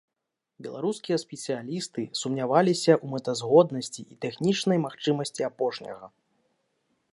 Беларускія спецыялісты сумняваліся ў мэтазгоднасці і тэхнічнай магчымасці апошняга.